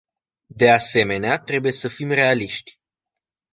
De asemenea, trebuie să fim realiști.